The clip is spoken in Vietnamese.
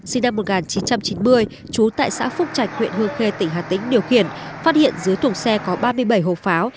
sinh năm một nghìn chín trăm chín mươi trú tại xã phúc trạch huyện hương khê tỉnh hà tĩnh điều khiển phát hiện dưới thùng xe có ba mươi bảy hộp pháo